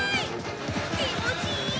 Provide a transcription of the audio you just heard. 気持ちいい！